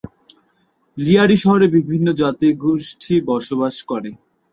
লিয়ারি শহরে বিভিন্ন জাতিগোষ্ঠী বসবাস করে।